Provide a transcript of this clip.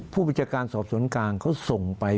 ผู้บัญชาการสอบสวนกลางเขาส่งไป